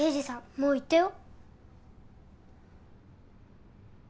もう行ったよ。